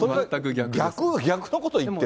逆のことを言ってる。